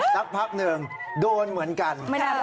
สักพักหนึ่งโดนเหมือนกัน